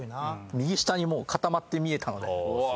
右下に固まって見えたので。